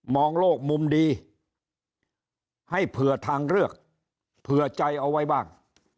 โลกมุมดีให้เผื่อทางเลือกเผื่อใจเอาไว้บ้าง